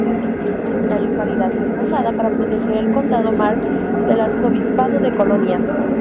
La localidad fue fundada para proteger el condado "Mark" del arzobispado de Colonia.